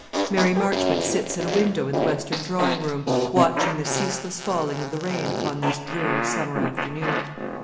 Mary Marchmont sits at a window in the western drawing room, watching the ceaseless falling of the rain upon this dreary summer afternoon.